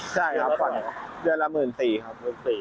ใช่ครับผ่อนเดือนละ๑๔๐๐๐บาทครับ